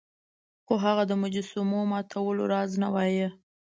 خو هغه د مجسمو ماتولو راز نه وایه.